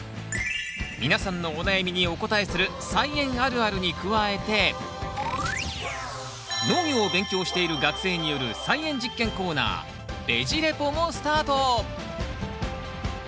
皆さんのお悩みにお答えする「菜園あるある」に加えて農業を勉強している学生による菜園実験コーナー「ベジ・レポ」もスタート！